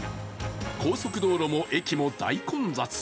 高速道路も駅も大混雑。